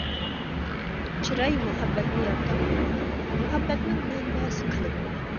چىراي مۇھەببەتنى يارىتالمايدۇ، مۇھەببەتنىڭ مەنبەسى قەلب.